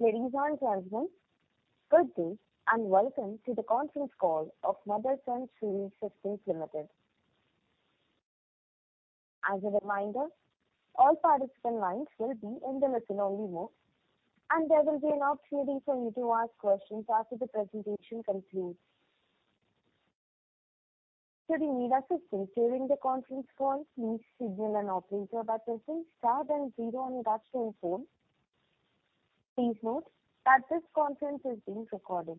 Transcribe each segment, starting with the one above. Ladies and gentlemen, good day and welcome to the conference call of Motherson Sumi Systems Limited. As a reminder, all participant lines will be in the listen-only mode, and there will be an opportunity for you to ask questions after the presentation concludes. If you need assistance during the conference call, please signal an operator by pressing star and zero on your touchtone phone. Please note that this conference is being recorded.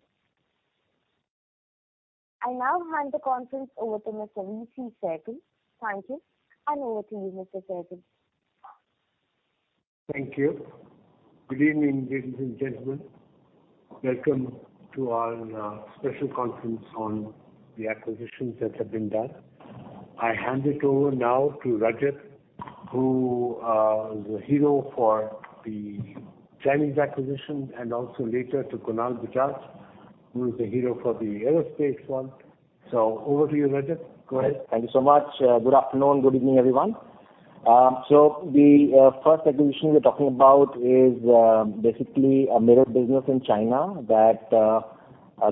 I now hand the conference over to Mr. VC Sehgal. Thank you. Over to you, Mr. Sehgal. Thank you. Good evening, ladies and gentlemen. Welcome to our special conference on the acquisitions that have been done. I hand it over now to Rajat, who is the hero for the Chinese acquisition, and also later to Kunal Bajaj, who is the hero for the aerospace one. So over to you, Rajat. Go ahead. Thank you so much. Good afternoon, good evening, everyone. The first acquisition we're talking about is basically a mirror business in China that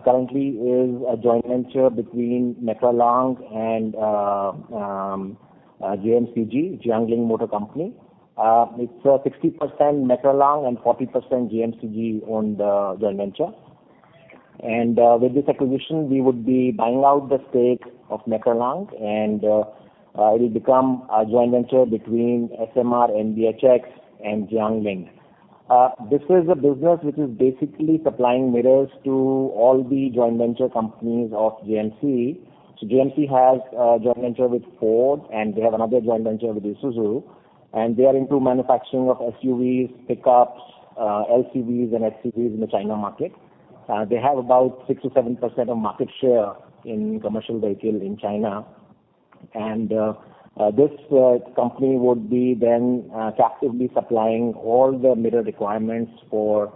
currently is a joint venture MEKRA Lang and JMCG, Jiangling Motors Company. It's a MEKRA Lang and 40% JMCG-owned joint venture. With this acquisition, we would be buying out the stake MEKRA Lang and it will become a joint venture between SMR NBHX and Jiangling. This is a business which is basically supplying mirrors to all the joint venture companies of JMC. JMC has a joint venture with Ford, and they have another joint venture with Isuzu, and they are into manufacturing of SUVs, pickups, LCVs, and FCVs in the China market. They have about 6%-7% of market share in commercial vehicle in China. This company would be then captively supplying all the mirror requirements for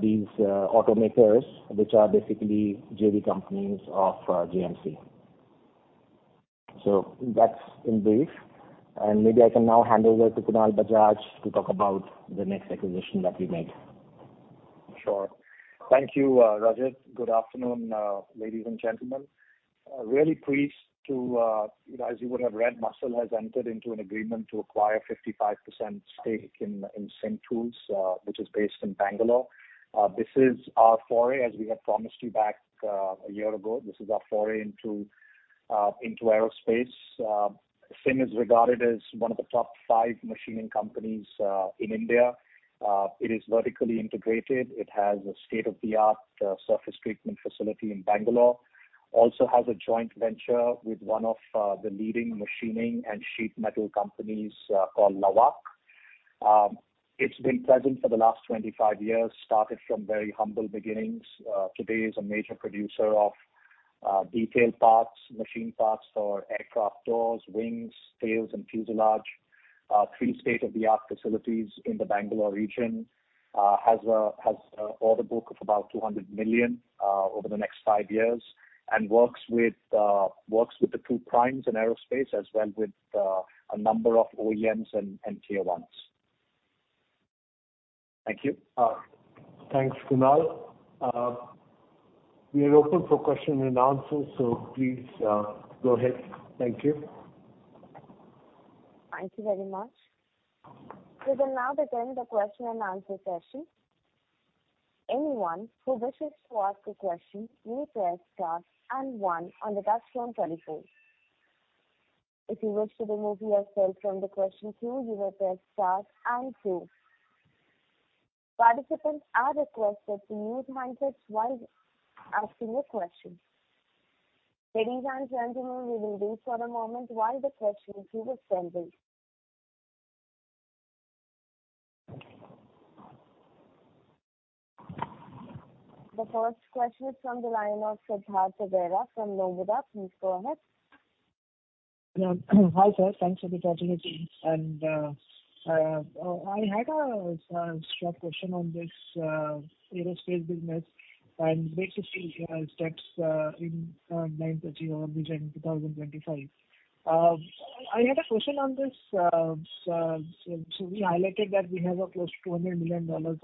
these automakers, which are basically JV companies of JMC. That's in brief, and maybe I can now hand over to Kunal Bajaj to talk about the next acquisition that we made. Sure. Thank you, Rajat. Good afternoon, ladies and gentlemen. Really pleased to, as you would have read, Motherson has entered into an agreement to acquire 55% stake in CIM Tools, which is based in Bangalore. This is our foray, as we had promised you back a year ago. This is our foray into aerospace. CIM is regarded as one of the top five machining companies in India. It is vertically integrated. It has a state-of-the-art surface treatment facility in Bangalore. Also has a joint venture with one of the leading machining and sheet metal companies called Lauak. It's been present for the last 25 years, started from very humble beginnings. Today is a major producer of detailed parts, machine parts for aircraft doors, wings, tails, and fuselage. Three state-of-the-art facilities in the Bangalore region has order book of about $200 million over the next five years. Works with the two primes in aerospace as well with a number of OEMs and Tier ones. Thank you. Thanks, Kunal. We are open for question and answer, so please go ahead. Thank you. Thank you very much. We will now begin the question and answer session. Anyone who wishes to ask a question, you press star one on the touchtone telephone. If you wish to remove yourself from the question queue, you will press star two. Participants are requested to use headsets while asking a question. Ladies and gentlemen, we will wait for a moment while the questions are assembled. The first question is from the line of Siddhartha Bera from Nomura. Please go ahead. Hi, sir. Thanks for the opportunity. I had a short question on this aerospace business and basically steps in [9 trillion by 2025]. I had a question on this. We highlighted that we have close to $200 million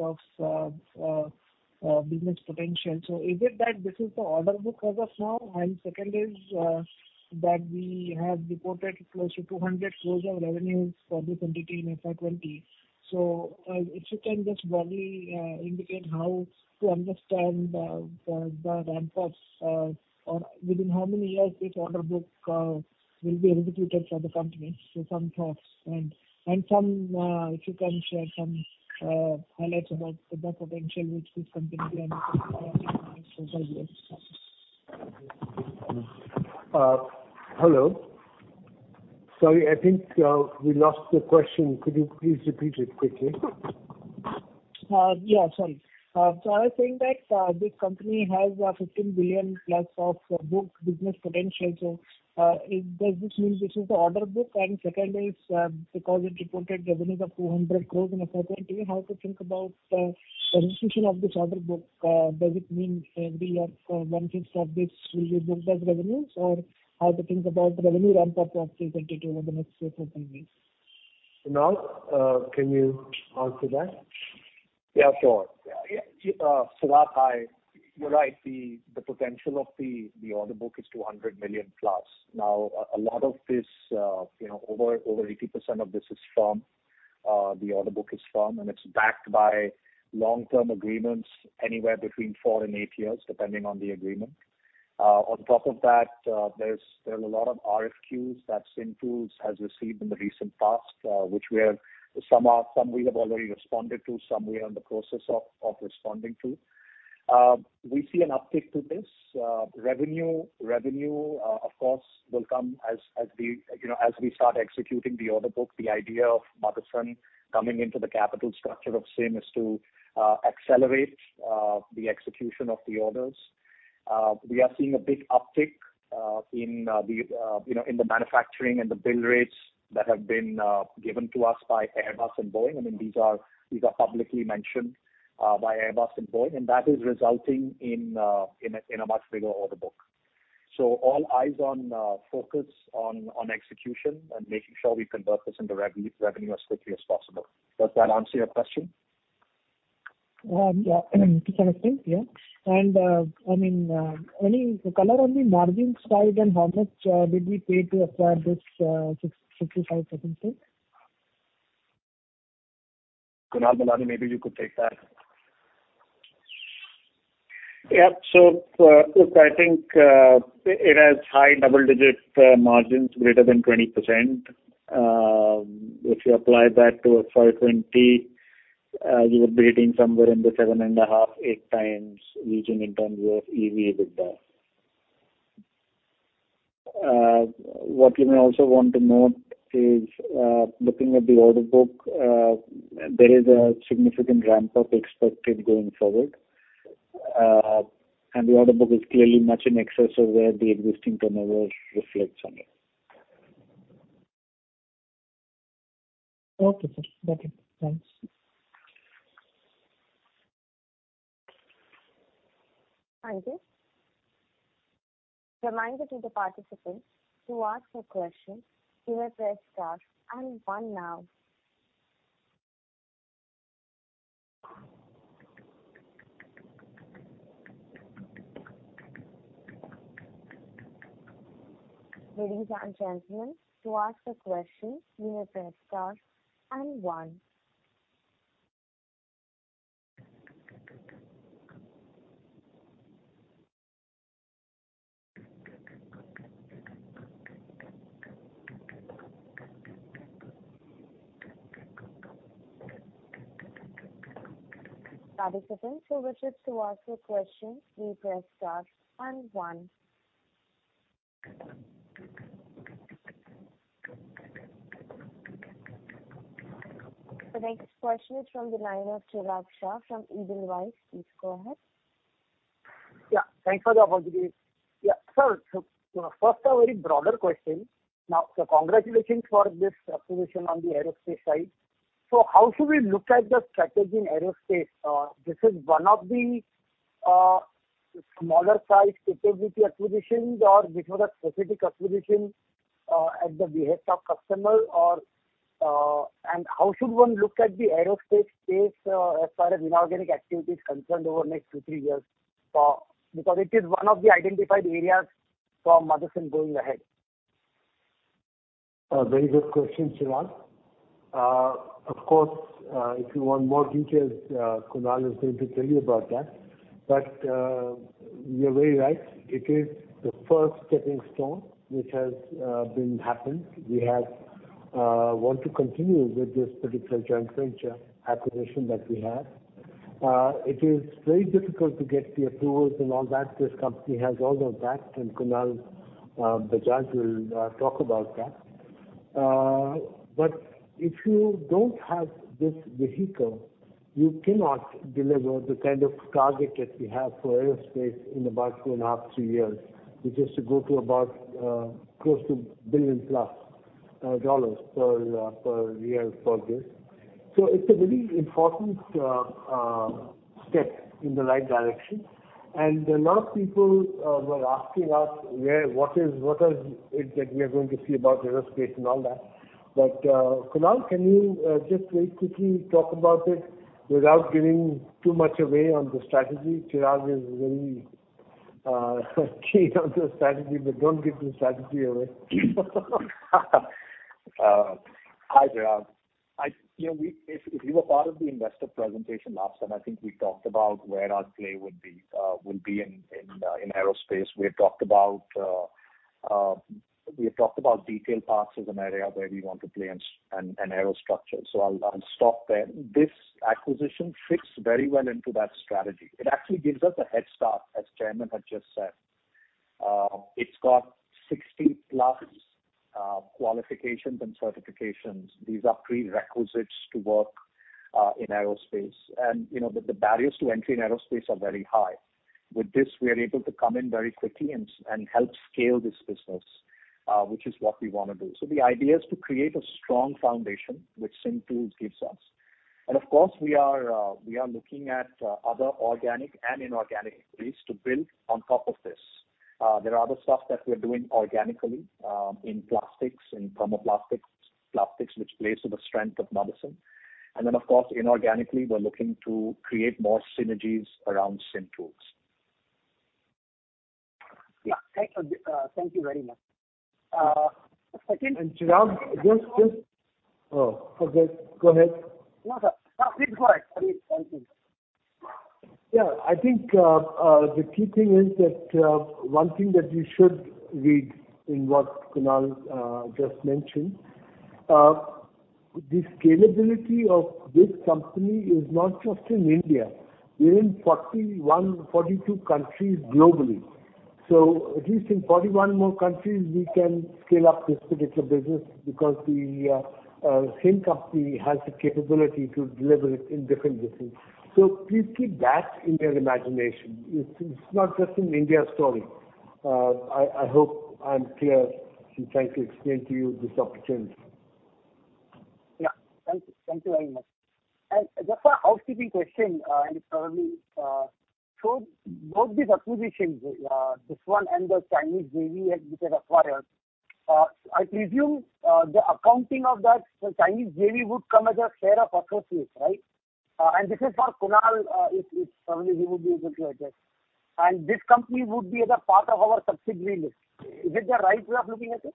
of business potential. Is it that this is the order book as of now? Second is that we have reported close to 200 crore of revenues for this entity in FY 2020. If you can just broadly indicate how to understand the ramp-ups, or within how many years this order book will be executed for the company. Some thoughts and if you can share some highlights about the potential which this company can deliver over the years. Hello. Sorry, I think we lost the question. Could you please repeat it quickly? Sorry. I was saying that this company has 15 billion+ of book business potential. Does this mean this is the order book? Second is, because it reported revenue of 200 crores in FY 2020, how to think about execution of this order book? Does it mean every year 1/5 of this will be booked as revenues? How to think about revenue ramp-up of this entity over the next three to four years? Kunal, can you answer that? Yeah, sure. Siddhartha, you're right, the potential of the order book is $200 million+. A lot of this, over 80% of this is firm. The order book is firm, it's backed by long-term agreements, anywhere between four and eight years, depending on the agreement. On top of that, there's a lot of RFQs that CIM Tools has received in the recent past, which some we have already responded to, some we are in the process of responding to. We see an uptick to this. Revenue, of course, will come as we start executing the order book. The idea of Motherson coming into the capital structure of CIM is to accelerate the execution of the orders. We are seeing a big uptick in the manufacturing and the bill rates that have been given to us by Airbus and Boeing. These are publicly mentioned by Airbus and Boeing, and that is resulting in a much bigger order book. All eyes on focus on execution and making sure we convert this into revenue as quickly as possible. Does that answer your question? Yeah. To an extent. Yeah. Any color on the margin side, and how much did we pay to acquire this 65% stake? Kunal Malani, maybe you could take that. Yep. Look, I think it has high double-digit margins greater than 20%. If you apply that to $420 million, you would be hitting somewhere in the 7.5x-8x region in terms of EV/EBITDA. What you may also want to note is, looking at the order book, there is a significant ramp-up expected going forward, the order book is clearly much in excess of where the existing turnover reflects on it. Okay, sir. Got it. Thanks. Thank you. Reminder to the participants, to ask a question, you may press star and 1 now. Ladies and gentlemen, to ask a question, you may press star and one. Participants, just to ask a question, please press star and one. The next question is from the line of Chirag Shah from Edelweiss. Please go ahead. Yeah, thanks for the opportunity. First a very broader question. Congratulations for this acquisition on the aerospace side. How should we look at the strategy in aerospace? This is one of the smaller size capability acquisitions or this was a specific acquisition at the behest of customer? How should one look at the aerospace space as far as inorganic activity is concerned over the next two, three years? Because it is one of the identified areas for Motherson going ahead. A very good question, Chirag. Of course, if you want more details, Kunal is going to tell you about that. You're very right. It is the first stepping stone, which has been happened. We want to continue with this particular joint venture acquisition that we have. It is very difficult to get the approvals and all that. This company has all of that, and Kunal Bajaj will talk about that. If you don't have this vehicle, you cannot deliver the kind of target that we have for aerospace in about two and a half, three years, which is to go to about close to $1 billion+ per year for this. It's a very important step in the right direction. A lot of people were asking us what is it that we are going to see about aerospace and all that. Kunal, can you just very quickly talk about it without giving too much away on the strategy? Chirag is very keen on the strategy, but don't give the strategy away. Hi, Chirag. If you were part of the investor presentation last time, I think we talked about where our play would be in aerospace. We talked about detailed parts as an area where we want to play in aerostructure. I'll stop there. This acquisition fits very well into that strategy. It actually gives us a head start, as Chairman had just said. It's got 60+ qualifications and certifications. These are prerequisites to work in aerospace. The barriers to entry in aerospace are very high. With this, we are able to come in very quickly and help scale this business, which is what we want to do. The idea is to create a strong foundation, which CIM Tools gives us. Of course, we are looking at other organic and inorganic ways to build on top of this. There are other stuff that we're doing organically, in plastics, in thermoplastics, plastics which plays to the strength of Motherson. Of course, inorganically, we're looking to create more synergies around CIM Tools. Yeah. Thank you very much. Chirag. Oh, okay. Go ahead. No, sir. Please go ahead. Yeah. I think the key thing is that one thing that you should read in what Kunal just mentioned, the scalability of this company is not just in India. We're in 41, 42 countries globally. At least in 41 more countries, we can scale up this particular business because the CIM company has the capability to deliver it in different places. Please keep that in your imagination. It's not just an India story. I hope I'm clear in trying to explain to you this opportunity. Yeah. Thank you. Thank you very much. Just an housekeeping question, and it's probably, so both these acquisitions, this one and the Chinese JV which you have acquired, I presume the accounting of that Chinese JV would come as a share of associates, right? This is for Kunal, if probably he would be able to address. This company would be as a part of our subsidiary list. Is it the right way of looking at it?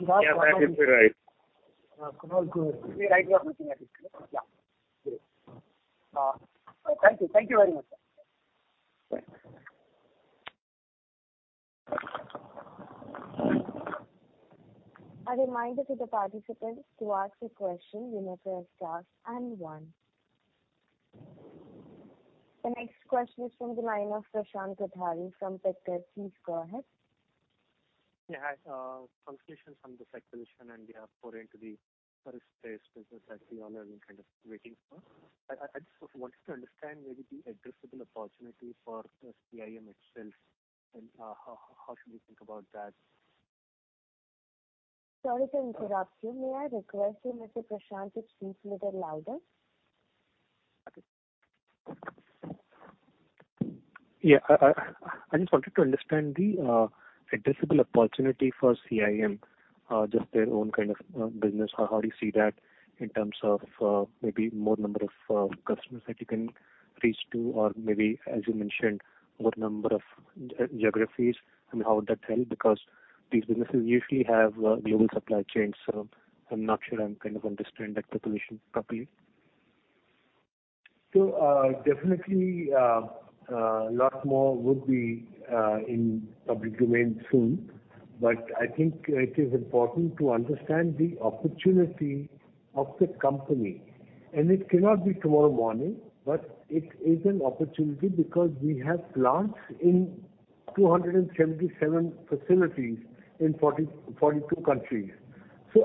Yes, that is right. Kunal go ahead. The right way of looking at it. Yeah. Great. Thank you. Thank you very much, sir. Thanks. A reminder to the participants to ask a question, you must press star and one. The next question is from the line of Prashant Kothari from Pictet. Go ahead. Congratulations on this acquisition and you have poured into the aerospace business that we all are kind of waiting for. I just wanted to understand maybe the addressable opportunity for CIM itself and how should we think about that? Sorry to interrupt you. May I request you, Mr. Prashant, to please speak a little louder? Yeah. I just wanted to understand the addressable opportunity for CIM, just their own kind of business. How do you see that in terms of maybe more number of customers that you can reach to or maybe, as you mentioned, more number of geographies, and how would that help? Because these businesses usually have global supply chains, so I'm not sure I'm kind of understanding that proposition properly. Definitely, a lot more would be in public domain soon, but I think it is important to understand the opportunity of the company. It cannot be tomorrow morning, but it is an opportunity because we have plants in 277 facilities in 42 countries.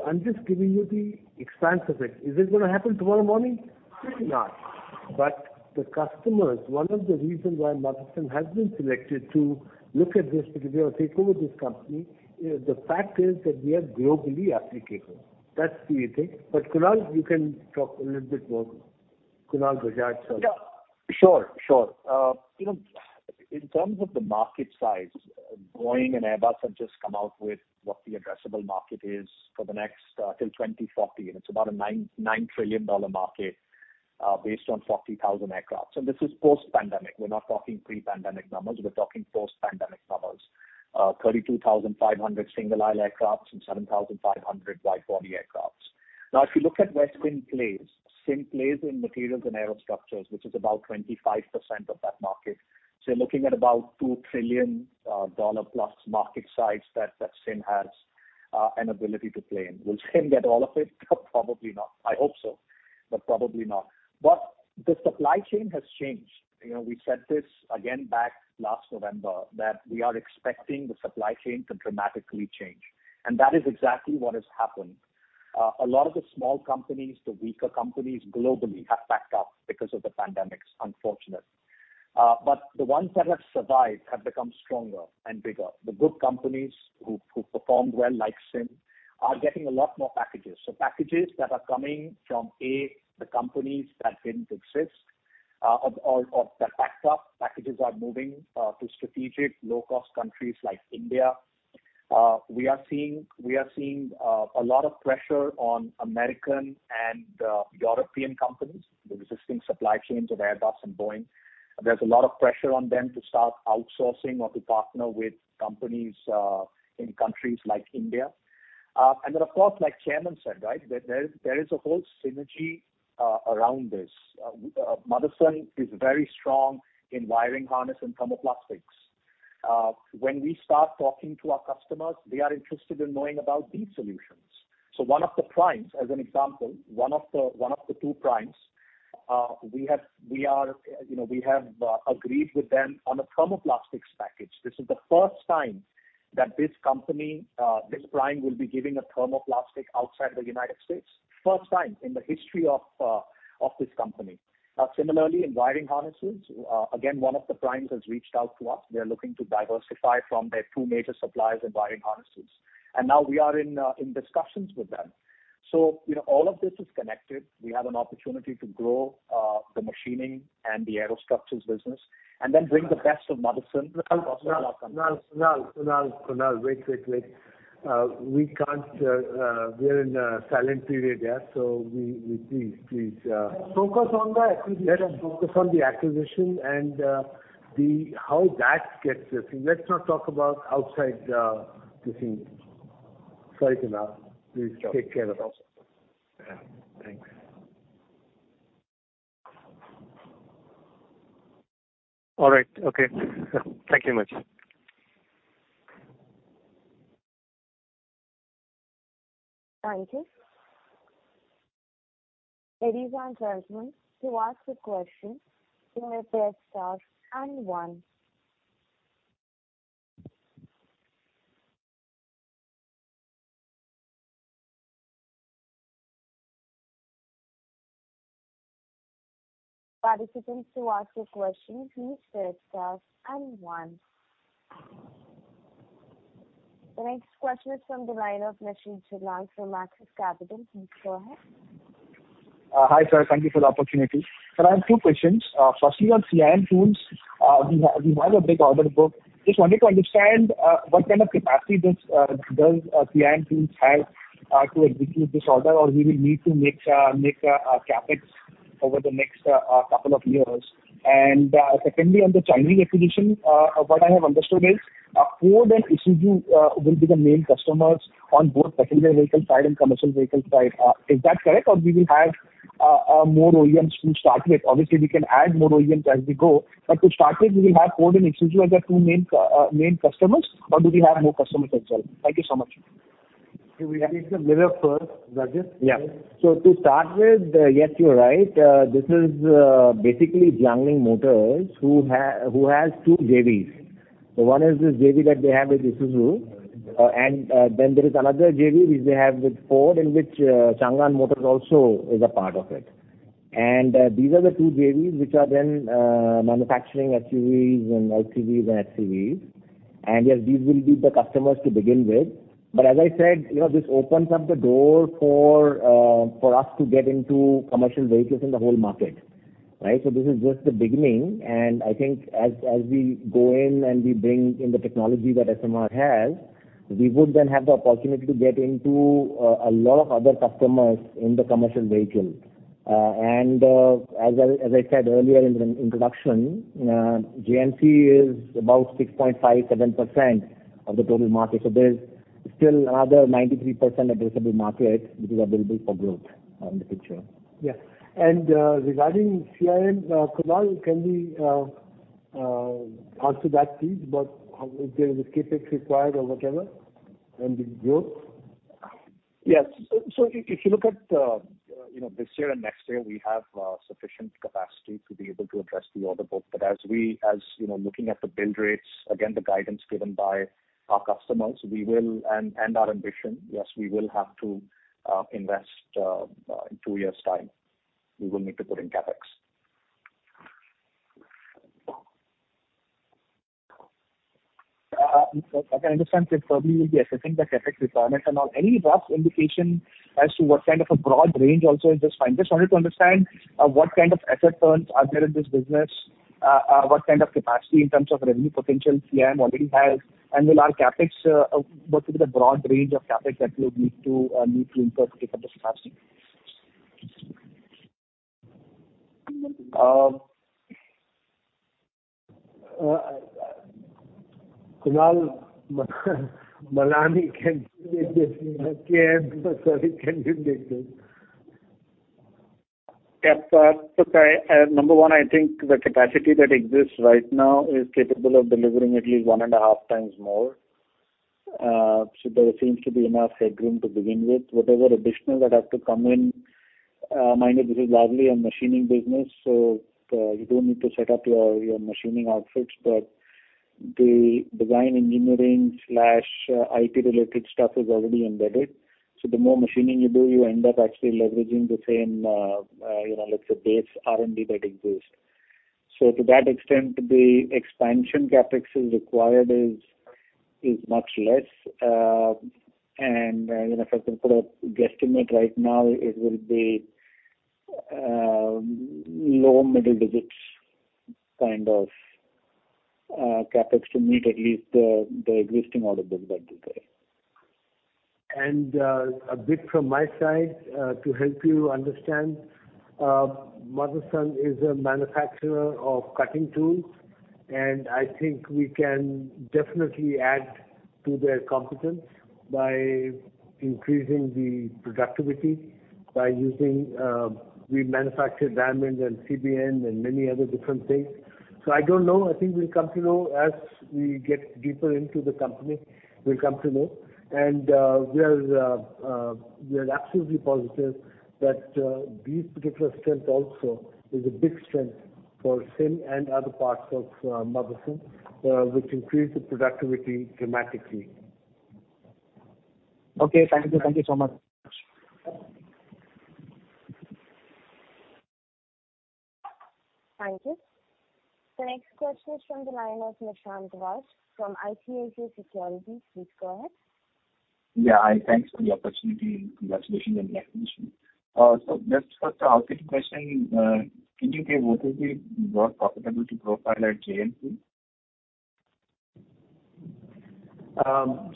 I am just giving you the expanse of it. Is it going to happen tomorrow morning? Certainly not. The customers, one of the reasons why Motherson has been selected to look at this particular or take over this company, the fact is that we are globally applicable. That's the thing. Kunal, you can talk a little bit more. Kunal Bajaj, sorry. Yeah. Sure. In terms of the market size, Boeing and Airbus have just come out with what the addressable market is till 2040, and it's about a $9 trillion market based on 40,000 aircrafts. This is post-pandemic. We're not talking pre-pandemic numbers. We're talking post-pandemic numbers. 32,500 single-aisle aircrafts and 7,500 wide-body aircrafts. If you look at where CIM plays, CIM plays in materials and aerostructures, which is about 25% of that market. You're looking at about $2 trillion+ market size that CIM has an ability to play in. Will CIM get all of it? Probably not. I hope so, but probably not. The supply chain has changed. We said this again back last November that we are expecting the supply chain to dramatically change. That is exactly what has happened. A lot of the small companies, the weaker companies globally have backed up because of the pandemic. It's unfortunate. The ones that have survived have become stronger and bigger. The good companies who performed well, like CIM, are getting a lot more packages. Packages that are coming from, A, the companies that didn't exist, or that backed up, packages are moving to strategic low-cost countries like India. We are seeing a lot of pressure on American and European companies, the existing supply chains of Airbus and Boeing. There's a lot of pressure on them to start outsourcing or to partner with companies in countries like India. Of course, like Chairman said, right? That there is a whole synergy around this. Motherson is very strong in wiring harness and thermoplastics. When we start talking to our customers, they are interested in knowing about these solutions. One of the primes, as an example, one of the two primes, we have agreed with them on a thermoplastics package. This is the first time that this company, this prime will be giving a thermoplastic outside the United States. First time in the history of this company. Similarly, in wiring harnesses, again, one of the primes has reached out to us. They're looking to diversify from their two major suppliers in wiring harnesses. Now we are in discussions with them. All of this is connected. We have an opportunity to grow the machining and the aerostructures business and then bring the best of Motherson. Kunal. Kunal, wait. We're in a silent period here, so please. Focus on the acquisition. Let us focus on the acquisition and how that gets this. Let's not talk about outside the thing. Sorry, Kunal. Please take care of it. Okay. Thanks. All right. Okay. Thank you very much. Thank you. Ladies and gentlemen, to ask a question, please press star one. Participants who ask a question, please press star one. The next question is from the line of Nishit Jalan from Axis Capital. Please go ahead. Hi, sir. Thank you for the opportunity. Sir, I have two questions. Firstly, on CIM Tools, you have a big order book. Just wanted to understand what kind of capacity does CIM Tools have to execute this order, or we will need to make CapEx over the next couple of years. Secondly, on the Chinese acquisition, what I have understood is Ford and Isuzu will be the main customers on both passenger vehicle side and commercial vehicle side. Is that correct? We will have more OEMs to start with? Obviously, we can add more OEMs as we go, but to start with, we will have Ford and Isuzu as our two main customers, or do we have more customers as well? Thank you so much. Can we have the mirror first, Rajat? Yeah. To start with, yes, you're right. This is basically Jiangling Motors who has two JVs. One is this JV that they have with Isuzu, and then there is another JV which they have with Ford, in which CHANGAN Automobile also is a part of it. These are the two JVs which are then manufacturing LCVs and FCVs. Yes, these will be the customers to begin with. As I said, this opens up the door for us to get into commercial vehicles in the whole market. This is just the beginning, and I think as we go in and we bring in the technology that SMR has, we would then have the opportunity to get into a lot of other customers in the commercial vehicles. As I said earlier in the introduction, JMC is about 6.57% of the total market. There's still another 93% addressable market which is available for growth in the future. Yeah. Regarding CIM, Kunal, can we answer that please, about if there is a CapEx required or whatever and the growth? Yes. If you look at this year and next year, we have sufficient capacity to be able to address the order book. But looking at the bill rates, again, the guidance given by our customers, and our ambition, yes, we will have to invest in two years' time. We will need to put in CapEx. I can understand that probably you will be assessing the CapEx requirement and all. Any rough indication as to what kind of a broad range also is this? I just wanted to understand what kind of asset turns are there in this business, what kind of capacity in terms of revenue potential CIM already has, and what will be the broad range of CapEx that you would need to incur to take up this capacity? Kunal Malani, can you take this? Number one, I think the capacity that exists right now is capable of delivering at least 1.5x more. There seems to be enough headroom to begin with. Whatever additional that have to come in, mind that this is largely a machining business, you don't need to set up your machining outfits. The design engineering/IT related stuff is already embedded. The more machining you do, you end up actually leveraging the same, let's say, base R&D that exists. To that extent, the expansion CapEx required is much less. If I can put a guesstimate right now, it will be low-middle digits kind of CapEx to meet at least the existing order book that is there. A bit from my side to help you understand, Motherson is a manufacturer of cutting tools, and I think we can definitely add to their competence by increasing the productivity. We manufacture diamonds and CBN and many other different things. I don't know. I think we'll come to know as we get deeper into the company, we'll come to know. We are absolutely positive that this particular strength also is a big strength for CIM and other parts of Motherson, which increase the productivity dramatically. Okay. Thank you. Thank you so much. Thank you. The next question is from the line of Nishant Vass from ICICI Securities. Please go ahead. Yeah. Thanks for the opportunity. Congratulations on the acquisition. Just a quick question. Can you say what will be more profitable to profile at JV?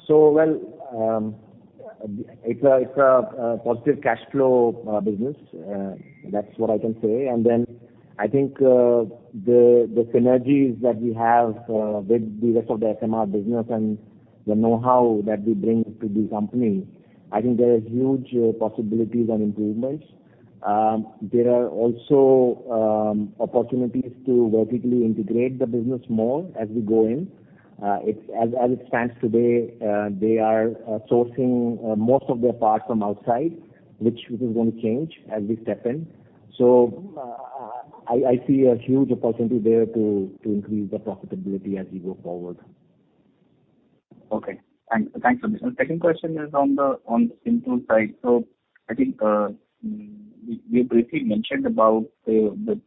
Well, it's a positive cash flow business. That's what I can say. I think the synergies that we have with the rest of the SMR business and the know-how that we bring to the company, I think there is huge possibilities and improvements. There are also opportunities to vertically integrate the business more as we go in. As it stands today, they are sourcing most of their parts from outside, which is going to change as we step in. I see a huge opportunity there to increase the profitability as we go forward. Okay. Thanks for this. Second question is on the CIM Tools side. I think you briefly mentioned about the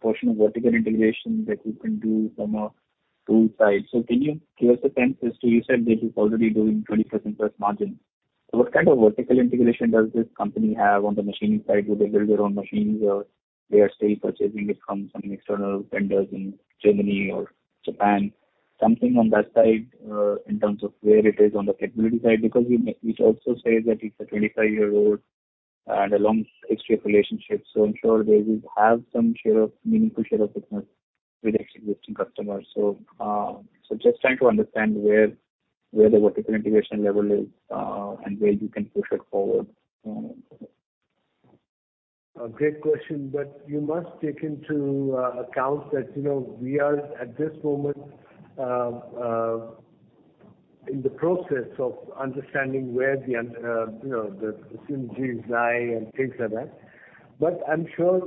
portion of vertical integration that you can do from a tool side. Can you give us a sense as to, you said that it's already doing 20%+ margin. What kind of vertical integration does this company have on the machining side? Do they build their own machines or they are still purchasing it from some external vendors in Germany or Japan? Something on that side, in terms of where it is on the capability side, because you also say that it's 25-year-old and a long history of relationships. I'm sure they will have some meaningful share of business with existing customers. Just trying to understand where the vertical integration level is and where you can push it forward. A great question, you must take into account that we are, at this moment, in the process of understanding where the synergies lie and things like that. I'm sure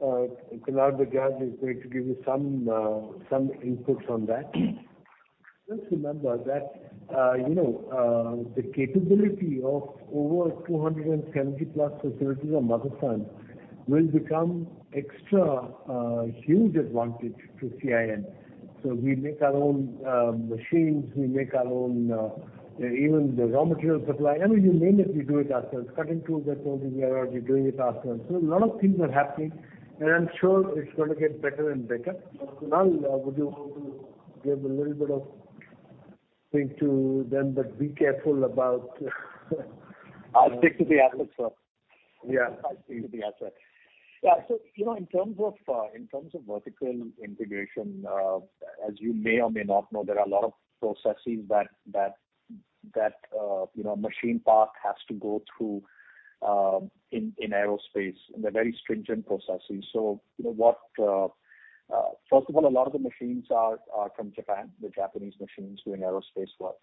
Kunal Bajaj is going to give you some inputs on that. Just remember that the capability of over 270+ facilities of Motherson will become extra huge advantage to CIM. We make our own machines, we make our own even the raw material supply. I mean, you name it, we do it ourselves. Cutting tools, et cetera, we are already doing it ourselves. A lot of things are happening, and I'm sure it's going to get better and better. Kunal, would you want to give a little bit of thing to them, but be careful about. I'll stick to the asset. Yeah. Stick to the asset. Yeah, in terms of vertical integration, as you may or may not know, there are a lot of processes that machine part has to go through in aerospace, they're very stringent processes. First of all, a lot of the machines are from Japan, they're Japanese machines doing aerospace work.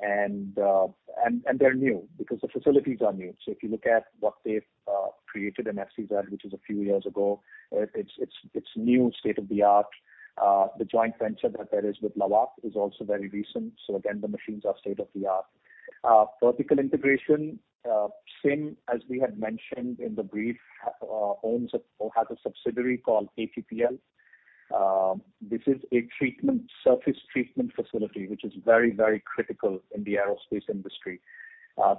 They're new because the facilities are new. If you look at what they've created in SEZ, which is a few years ago, it's new state-of-the-art. The joint venture that there is with Lauak is also very recent. Again, the machines are state-of-the-art. Vertical integration, CIM, as we had mentioned in the brief, owns or has a subsidiary called ATPL. This is a surface treatment facility, which is very critical in the aerospace industry.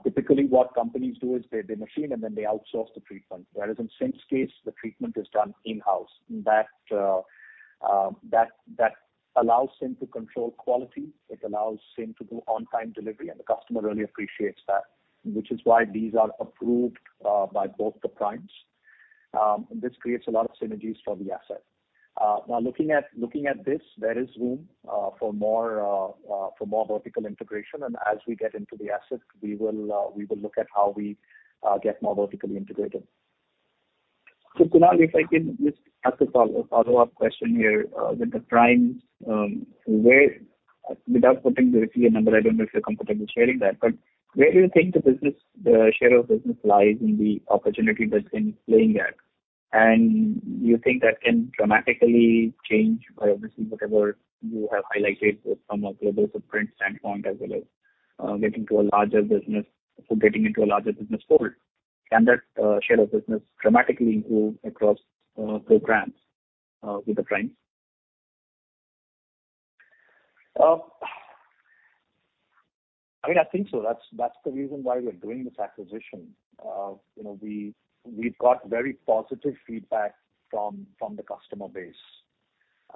Typically, what companies do is they machine then they outsource the treatment. In CIM's case, the treatment is done in-house. That allows CIM to control quality. It allows CIM to do on-time delivery, and the customer really appreciates that, which is why these are approved by both the primes. This creates a lot of synergies for the asset. Looking at this, there is room for more vertical integration, and as we get into the asset, we will look at how we get more vertically integrated. Kunal, if I can just ask a follow-up question here. With the primes, without putting the revenue number, I don't know if you're comfortable sharing that, but where do you think the share of business lies in the opportunity that's been playing at? You think that can dramatically change by obviously whatever you have highlighted from a global footprint standpoint, as well as getting into a larger business forward. Can that share of business dramatically improve across programs with the primes? I think so. That's the reason why we're doing this acquisition. We've got very positive feedback from the customer base,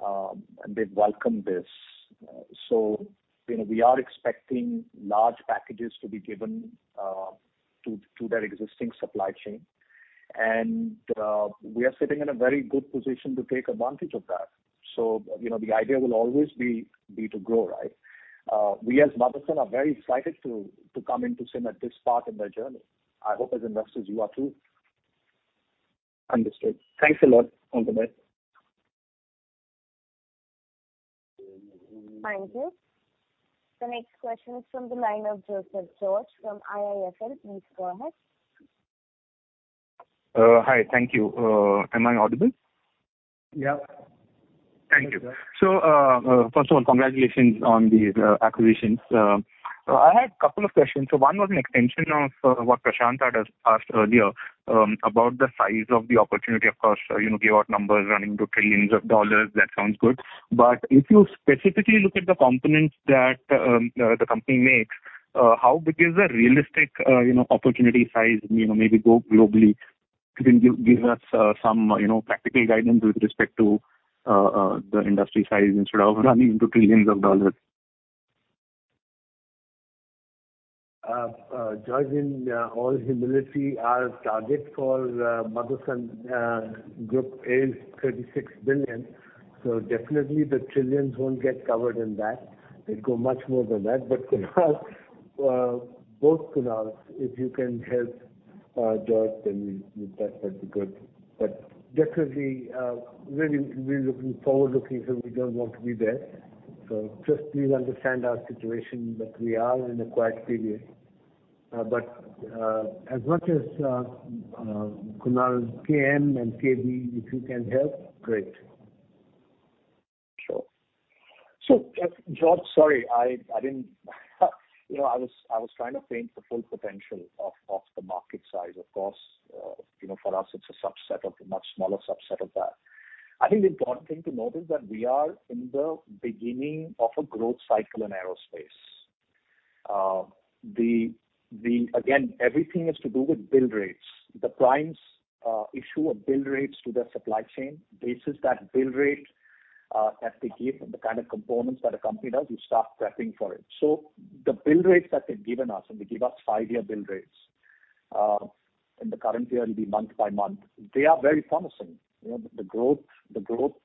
and they've welcomed this. We are expecting large packages to be given to their existing supply chain. We are sitting in a very good position to take advantage of that. The idea will always be to grow, right? We, as Motherson, are very excited to come into CIM at this part in their journey. I hope as investors you are too. Understood. Thanks a lot. Over to you. Thank you. The next question is from the line of Joseph George from IIFL. Please go ahead. Hi, thank you. Am I audible? Yeah. Thank you. First of all, congratulations on these acquisitions. I had couple of questions. One was an extension of what Prashant had asked earlier about the size of the opportunity. Of course, you gave out numbers running into trillions of dollars, that sounds good. If you specifically look at the components that the company makes, how big is the realistic opportunity size, maybe go globally. Can you give us some practical guidance with respect to the industry size instead of running into trillions of dollars? George, in all humility, our target for Motherson Group is 36 billion. Definitely the trillions won't get covered in that. It'll go much more than that. Kunal, both Kunal, if you can help Joseph George, then that'd be good. Definitely, really we're looking forward looking, so we don't want to be there. Just please understand our situation, but we are in a quiet period. As much as Kunal KM and KB, if you can help, great. Sure. George, sorry, I was trying to paint the full potential of the market size. Of course, for us it's a much smaller subset of that. I think the important thing to note is that we are in the beginning of a growth cycle in aerospace. Again, everything has to do with bill rates. The primes issue a bill rates to their supply chain, bases that bill rate that they give and the kind of components that a company does, we start prepping for it. The bill rates that they've given us, and they give us five year bill rates, in the current year it'll be month by month, they are very promising. The growth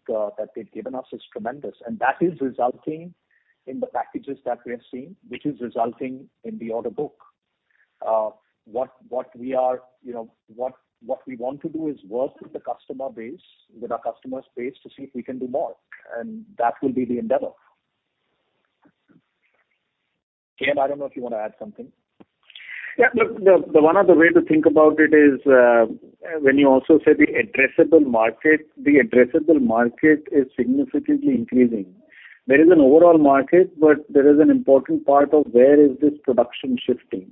that they've given us is tremendous, and that is resulting in the packages that we have seen, which is resulting in the order book. What we want to do is work with our customer base to see if we can do more. That will be the endeavor. KM, I don't know if you want to add something. Yeah, look, the one other way to think about it is, when you also say the addressable market, the addressable market is significantly increasing. There is an overall market, but there is an important part of where is this production shifting.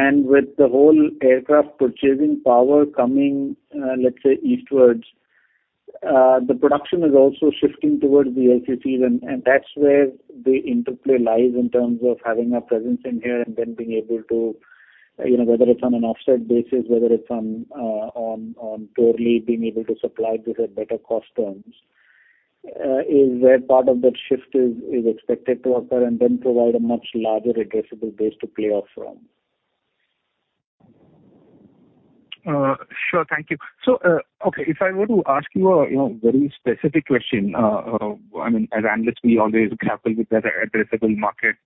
With the whole aircraft purchasing power coming, let's say eastwards, the production is also shifting towards the [ACCs], and that's where the interplay lies in terms of having a presence in here and then being able to, whether it's on an offset basis, whether it's on totally being able to supply these at better cost terms, is where part of that shift is expected to occur and then provide a much larger addressable base to play off from. Sure. Thank you. Okay, if I were to ask you a very specific question, as analysts we always grapple with the addressable market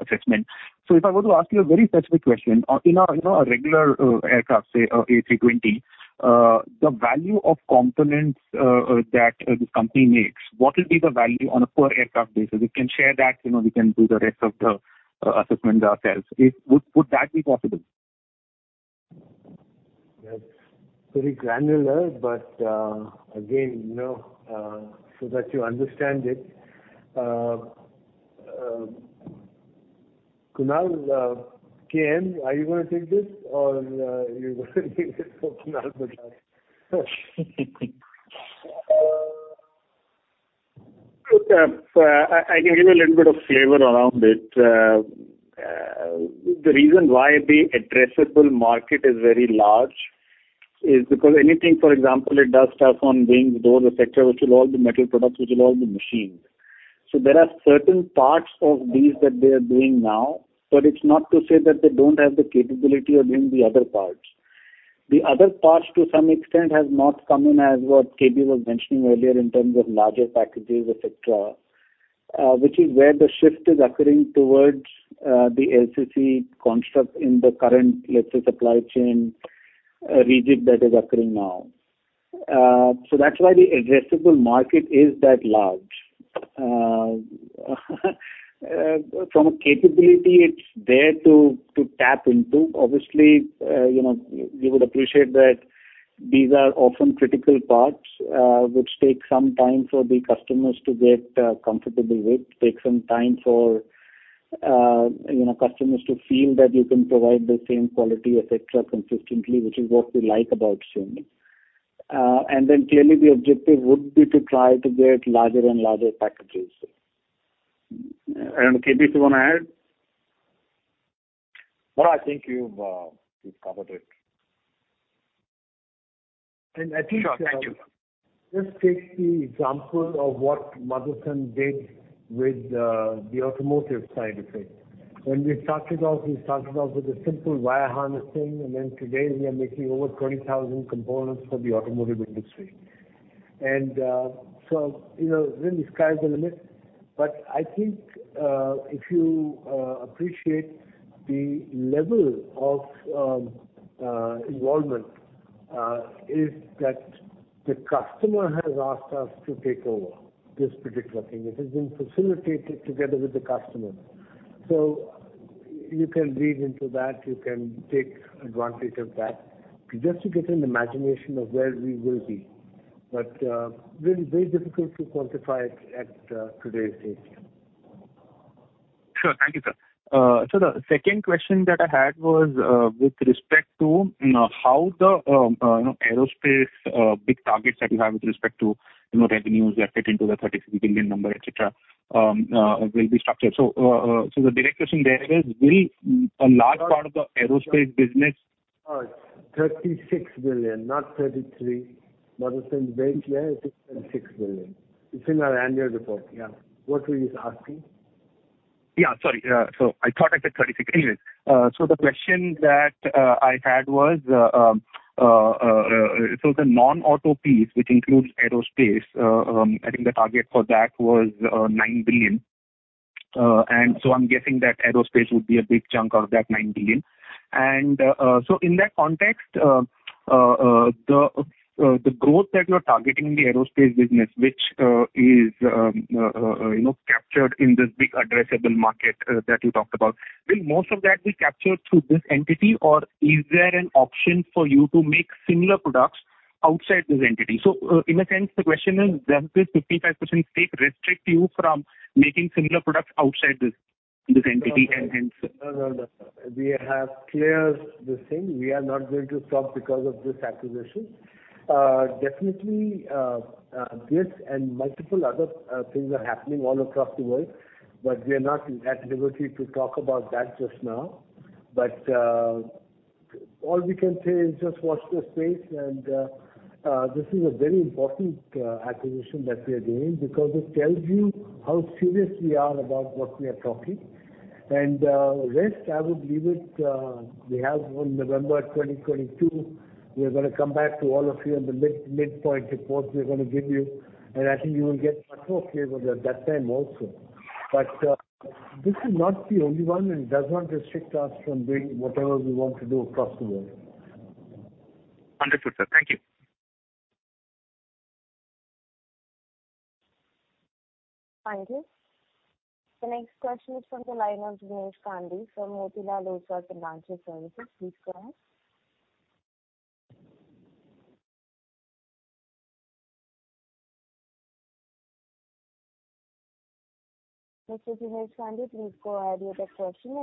assessment. If I were to ask you a very specific question, in a regular aircraft, say A320, the value of components that this company makes, what will be the value on a per aircraft basis? If you can share that, we can do the rest of the assessment ourselves. Would that be possible? That's very granular, but, again, so that you understand it. Kunal KM, are you going to take this or are you going to leave it for Kunal Bajaj? I can give you a little bit of flavor around it. The reason why the addressable market is very large is because anything, for example, it does stuff on wings, doors, et cetera, which will all be metal products, which will all be machined. There are certain parts of these that they're doing now, but it's not to say that they don't have the capability of doing the other parts. The other parts to some extent has not come in as what KB was mentioning earlier in terms of larger packages, et cetera, which is where the shift is occurring towards the ACC construct in the current, let's say, supply chain rejig that is occurring now. That's why the addressable market is that large. From a capability, it's there to tap into. You would appreciate that these are often critical parts, which take some time for the customers to get comfortable with, take some time for customers to feel that you can provide the same quality, et cetera, consistently, which is what we like about CIM. Clearly the objective would be to try to get larger and larger packages. KB, do you want to add? No, I think you've covered it. Sure. Thank you. I think, just take the example of what Motherson did with the automotive side of things. When we started off, we started off with a simple wiring harnesses, and then today we are making over 20,000 components for the automotive industry. Really sky's the limit. I think, if you appreciate the level of involvement, is that the customer has asked us to take over this particular thing. It has been facilitated together with the customer. You can read into that, you can take advantage of that, just to get an imagination of where we will be. Very difficult to quantify it at today's date. Sure. Thank you, sir. The second question that I had was with respect to how the aerospace big targets that you have with respect to revenues that fit into the 33 billion number, et cetera, will be structured. The direct question there is, will a large part of the aerospace business? 36 billion, not 33 billion. Motherson very clear, it is 36 billion. It's in our annual report. Yeah. What were you asking? Yeah, sorry. I thought I said 36 billion. The question that I had was, the non-auto piece, which includes aerospace, I think the target for that was 9 billion. I'm guessing that aerospace would be a big chunk of that 9 billion. In that context, the growth that you're targeting in the aerospace business, which is captured in this big addressable market that you talked about, will most of that be captured through this entity, or is there an option for you to make similar products outside this entity? In a sense, the question is, does this 55% stake restrict you from making similar products outside this entity? No. We have cleared this thing. We are not going to stop because of this acquisition. Definitely, this and multiple other things are happening all across the world, but we are not at liberty to talk about that just now. All we can say is just watch this space, and this is a very important acquisition that we are doing because it tells you how serious we are about what we are talking. Rest, I would leave it, we have 1 November 2022, we are going to come back to all of you in the mid-point report we are going to give you, and I think you will get much more clear at that time also. This is not the only one, and it does not restrict us from doing whatever we want to do across the world. Understood, sir. Thank you. Thank you. The next question is from the line of Jinesh Gandhi from Motilal Oswal Financial Services. Please go ahead. Mr. Jinesh, please go ahead with your question.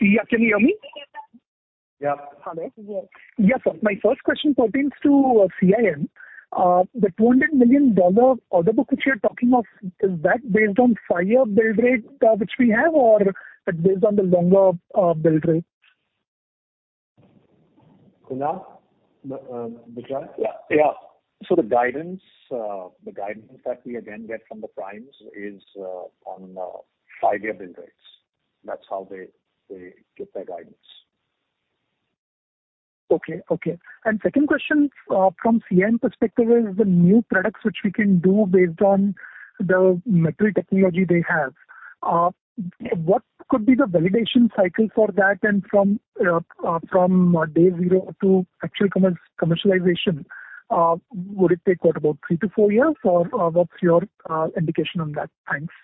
Yeah. Can you hear me? Yeah. Yes. Yes, sir. My first question pertains to CIM. The $200 million order book which you're talking of, is that based on five year build rate which we have, or based on the longer build rate? Kunal Bajaj? Yeah. The guidance that we again get from the primes is on five year build rates. That's how they give their guidance. Okay. Second question from CIM perspective is the new products which we can do based on the material technology they have. What could be the validation cycle for that and from day zero to actual commercialization, would it take what, about three to four years or what's your indication on that? Thanks.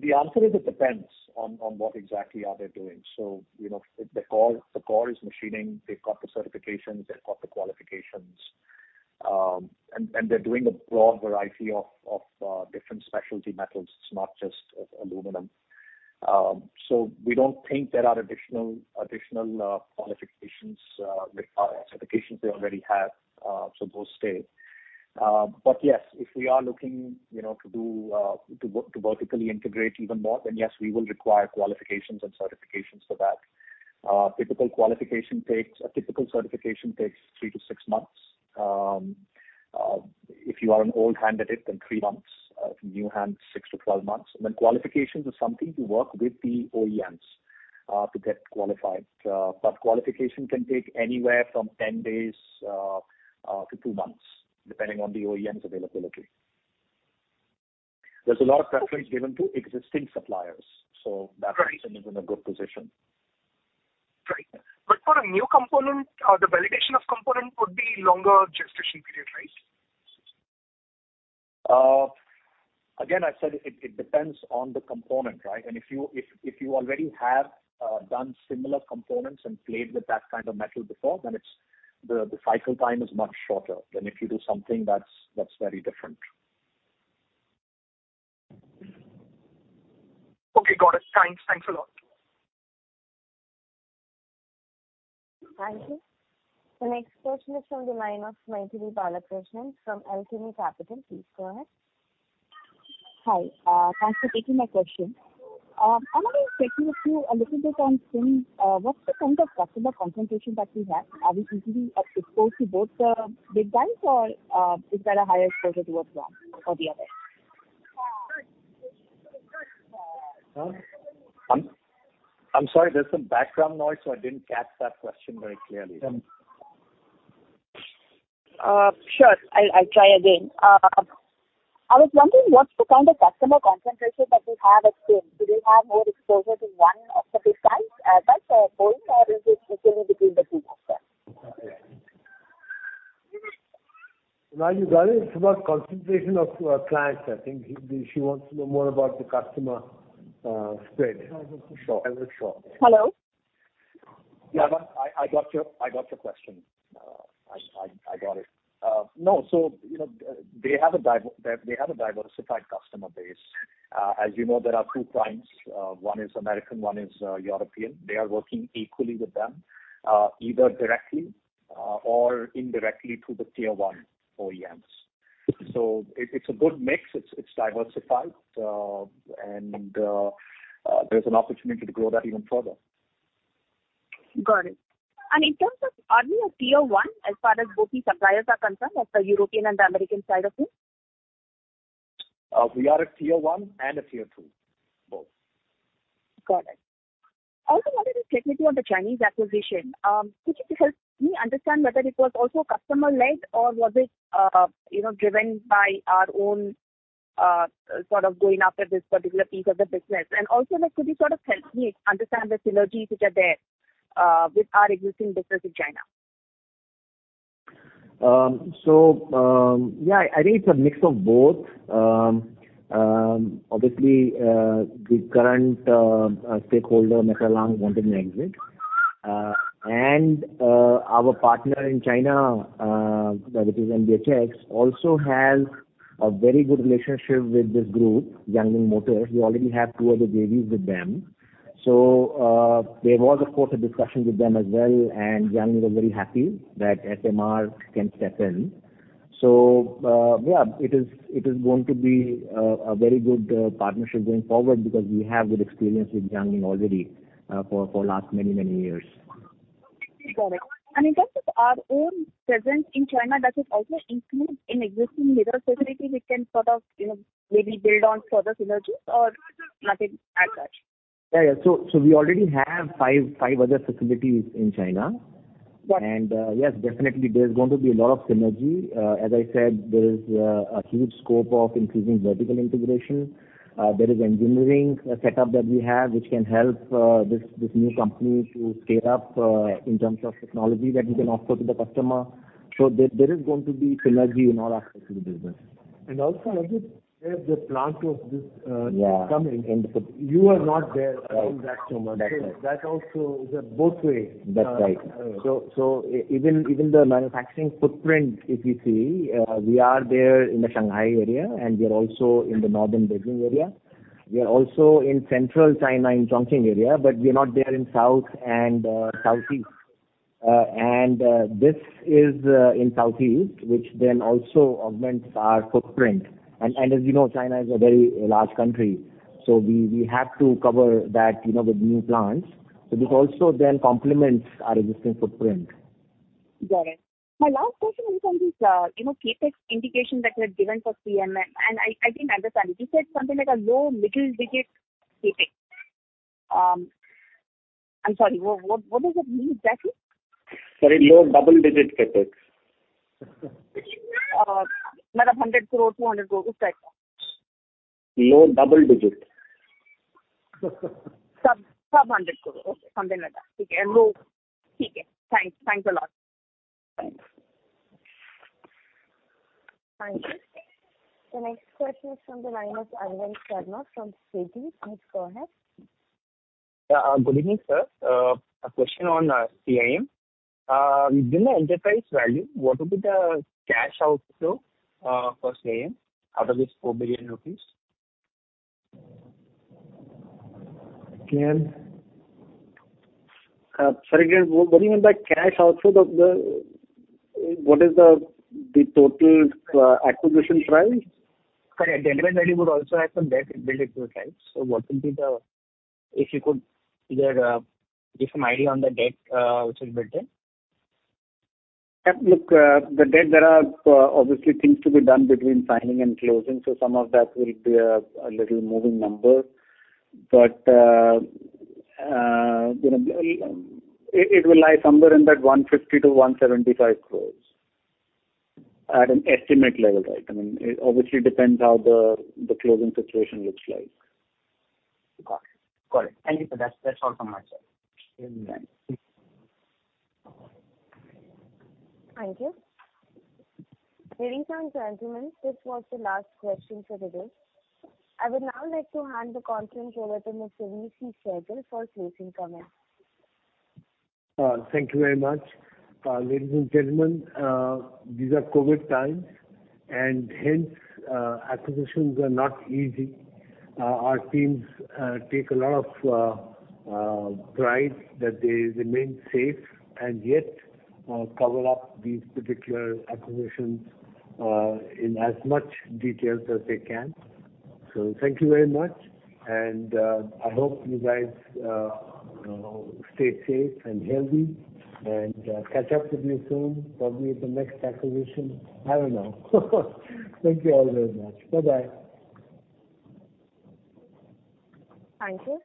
The answer is it depends on what exactly are they doing. The core is machining. They've got the certifications, they've got the qualifications. They're doing a broad variety of different specialty metals. It's not just aluminum. We don't think there are additional qualifications with our certifications they already have. Those stay. Yes, if we are looking to vertically integrate even more, then yes, we will require qualifications and certifications for that. A typical certification takes three to six months. If you are an old hand at it, then three months, if new hand, 6-12 months. Then qualifications is something you work with the OEMs to get qualified. Qualification can take anywhere from 10 days to two months, depending on the OEM's availability. There's a lot of preference given to existing suppliers, so that reason is in a good position. Right. For a new component, the validation of component could be longer gestation period, right? Again, I said it depends on the component, right? If you already have done similar components and played with that kind of metal before, then the cycle time is much shorter than if you do something that's very different. Okay, got it. Thanks a lot. Thank you. The next question is from the line of Mythili Balakrishnan from Alchemy Capital. Please go ahead. Hi. Thanks for taking my question. I'm wondering if you can speak to a little bit on CIM. What's the kind of customer concentration that we have? Are we equally exposed to both the big guys, or is there a higher exposure towards one or the other? Huh? I'm sorry, there's some background noise, so I didn't catch that question very clearly. Sure. I'll try again. I was wondering what kind of customer concentration that we have at CIM. Do we have more exposure to one of the big guys, both, or is it between the two also? Kunal you got it. It's about concentration of clients, I think. She wants to know more about the customer spread. Sure. Hello. Yeah. I got your question. I got it. No. They have a diversified customer base. As you know, there are two clients. One is American, one is European. They are working equally with them either directly or indirectly through the Tier 1 OEMs. It's a good mix, it's diversified, and there's an opportunity to grow that even further. Got it. In terms of are we a Tier 1 as far as both the suppliers are concerned, as the European and the American side of things? We are a Tier 1 and a Tier 2, both. Got it. Also wanted a clarity on the Chinese acquisition. Could you help me understand whether it was also customer-led or was it driven by our own sort of going after this particular piece of the business? Also could you sort of help me understand the synergies which are there with our existing business in China? Yeah, I think it's a mix of both. Obviously, the current MEKRA Lang, wanted an exit. Our partner in China, that is NBHX, also has a very good relationship with this group, Jiangling Motors. We already have two other JVs with them. There was, of course, a discussion with them as well, and Jiangling was very happy that SMR can step in. Yeah, it is going to be a very good partnership going forward because we have good experience with Jiangling already for last many, many years. Got it. In terms of our own presence in China, does it also include an existing major facility we can sort of maybe build on further synergies or nothing as such? Yeah. We already have five other facilities in China. Got it. Yes, definitely there's going to be a lot of synergy. As I said, there is a huge scope of increasing vertical integration. There is engineering setup that we have, which can help this new company to scale up in terms of technology that we can offer to the customer. There is going to be synergy in all aspects of the business. Also, where the plant was just. Yeah. You were not there in that [summer]. That is right. That also is a both way. That's right. Even the manufacturing footprint, if you see, we are there in the Shanghai area and we are also in the northern Beijing area. We are also in Central China, in Chongqing area, but we are not there in south and southeast. This is in southeast, which then also augments our footprint. As you know, China is a very large country. We have to cover that with new plants. This also then complements our existing footprint. Got it. My last question in terms is CapEx indication that you had given for CIM, and I didn't understand. You said something like a low middle digit CapEx. I'm sorry, what does that mean exactly? Sorry, low double digit CapEx. Like INR 100 crore, INR 200 crore type? Low double digit. Sub INR 100 crore. Okay. Something like that. Okay. Thanks a lot. Thanks. Thank you. The next question is from the line of Arvind Sharma from Citi. Please go ahead. Good evening, sir. A question on CIM. Within the enterprise value, what will be the cash outflow for CIM out of this 4 billion rupees? CIM. Sorry, what do you mean by cash outflow? What is the total acquisition price? Sorry. The enterprise value would also have some debt built into it, right? If you could give some idea on the debt which will be there. The debt, there are obviously things to be done between signing and closing, some of that will be a little moving number. It will lie somewhere in that 150 crore-175 crore at an estimate level. It obviously depends how the closing situation looks like. Got it. Thank you, sir. That's all from my side. Thank you. Thank you. Ladies and gentlemen, this was the last question for the day. I would now like to hand the conference over to Mr. VC Sehgal for closing comments. Thank you very much. Ladies and gentlemen, these are COVID times, and hence acquisitions are not easy. Our teams take a lot of pride that they remain safe and yet cover up these particular acquisitions in as much details as they can. Thank you very much, and I hope you guys stay safe and healthy, and catch up with me soon, probably at the next acquisition. I don't know. Thank you all very much. Bye-bye. Thank you.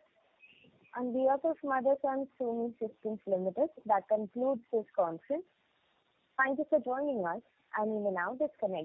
On behalf of Motherson Sumi Systems Limited, that concludes this conference. Thank you for joining us, and you may now disconnect your telephone.